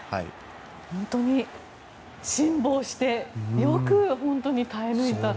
本当に辛抱してよく耐え抜いた。